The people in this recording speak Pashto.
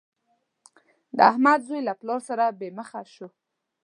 د احمد زوی له پلار سره بې مخه شو.